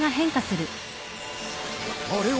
あれは。